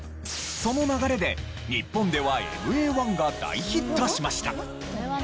その流れで日本ではＭＡ−１が大ヒットしました。